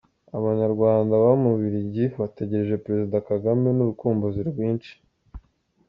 Abanyarwanda baba mu Bubuligi bategereje Perezida Kagame n’urukumbuzi rwinshi.